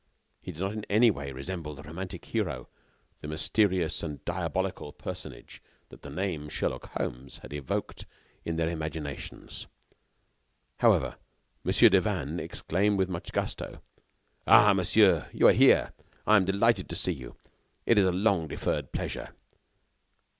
He did not in any way resemble the romantic hero, the mysterious and diabolical personage that the name of Sherlock Holmes had evoked in their imaginations. However, Mon. Devanne exclaimed with much gusto: "Ah! monsieur, you are here! I am delighted to see you. It is a long deferred pleasure.